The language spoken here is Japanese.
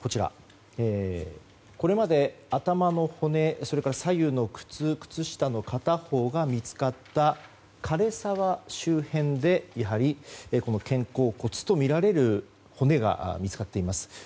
これまで頭の骨それから左右の靴、靴下の片方が見つかった枯れ沢周辺でこの肩甲骨とみられる骨が見つかっています。